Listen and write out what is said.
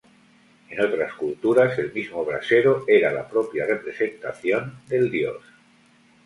En otras culturas, el mismo brasero era la propia representación del dios.